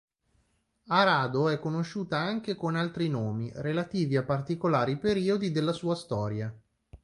Arado è conosciuta anche con altri nomi, relativi a particolari periodi della sua storia.